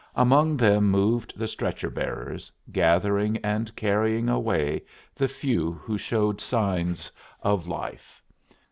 Among them moved the stretcher bearers, gathering and carrying away the few who showed signs of life.